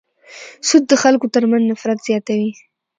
سود د خلکو تر منځ نفرت زیاتوي.